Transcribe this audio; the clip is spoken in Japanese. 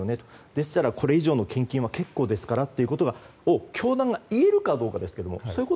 でしたらこれ以上の献金は結構ですということを教団が言えるかどうか。